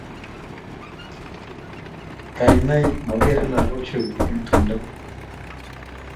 kainei makere lagokchu eng tumdo?